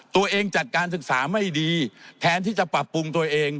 จัดการศึกษาไม่ดีแทนที่จะปรับปรุงตัวเอง